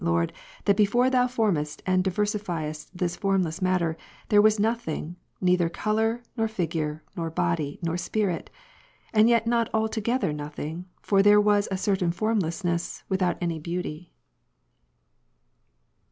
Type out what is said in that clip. Lord, that before Thou formedst and diversifiedst this formless matter, there Avas nothing, neither colour, nor figure, nor body, nor spirit ? and yet not altogether nothing ; for there was a certain formlessness, without any beauty.